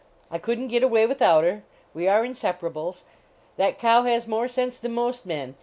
I couldn t get away without her. We are in separables. That cow has more sense than most men.